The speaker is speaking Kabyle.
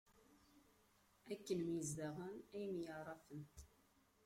Akken myezdaɣen, ay myaɛṛafen.